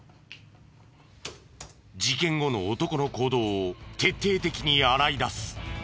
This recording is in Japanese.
事件後の男の行動を徹底的に洗い出す。